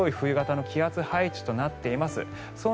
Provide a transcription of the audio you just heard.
再び強い冬型の気圧配置となっています。